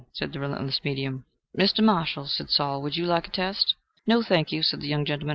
said the relentless medium. "Mr. Marshall," said Saul, "would you like a test?" "No, thank you," said the young gentleman.